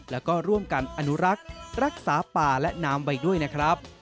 แล้วก็ร่วมกันอนุรักษ์รักษาป่าและน้ำไว้ด้วยนะครับ